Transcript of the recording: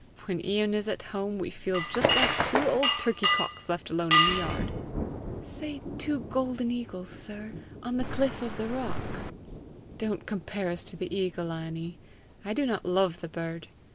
"When Ian is at home, we feel just like two old turkey cocks left alone in the yard!" "Say two golden eagles, sir, on the cliff of the rock." "Don't compare us to the eagle, Annie. I do not love the bird.